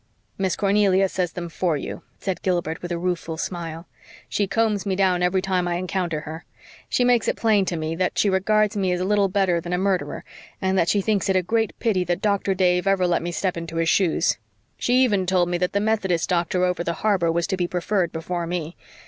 "Miss Cornelia says them for you," said Gilbert with a rueful smile. "She combs me down every time I encounter her. She makes it plain to me that she regards me as little better than a murderer, and that she thinks it a great pity that Dr. Dave ever let me step into his shoes. She even told me that the Methodist doctor over the harbor was to be preferred before me.